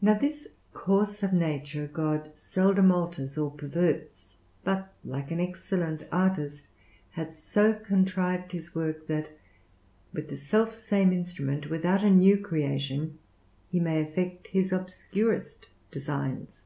Now this course of nature God seldom alters or perverts, but, like an excellent artist, hath so contrived his work that with the selfsame instrument, without a new creation, he may effect his obscurest designs.